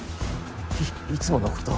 いいつものこと？